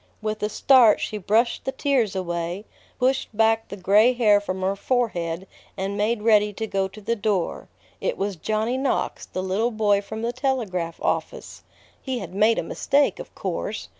With a start she brushed the tears away, pushed back the gray hair from her forehead, and made ready to go to the door. It was Johnny Knox, the little boy from the telegraph office. He had made a mistake, of course.